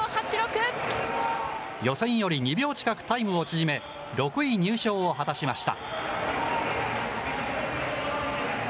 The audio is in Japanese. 予選より２秒近くタイムを縮め、６位入賞を果たしました。